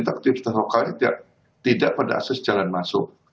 aktivitas lokalnya tidak pada akses jalan masuk